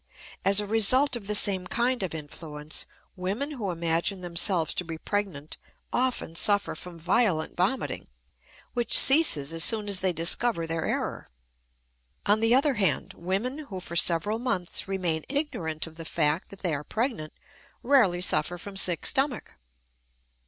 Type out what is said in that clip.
As a result of the same kind of influence, women who imagine themselves to be pregnant often suffer from violent vomiting, which ceases as soon as they discover their error. On the other hand, women who for several months remain ignorant of the fact that they are pregnant rarely suffer from sick stomach.